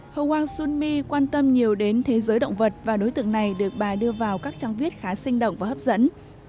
hoàng xuân my quan tâm nhiều đến thế giới động vật và đối tượng này được bà đưa vào các trang viết khá sinh động và hấp dẫn